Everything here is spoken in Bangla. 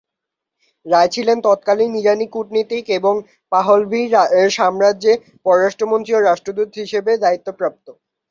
রায় ছিলেন তৎকালীন ইরানি কূটনীতিক এবং পাহলভি সাম্রাজ্যে পররাষ্ট্র মন্ত্রী ও রাষ্ট্রদূত হিসেবে দায়িত্বপ্রাপ্ত।